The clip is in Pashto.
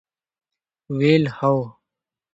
ویل ، هو!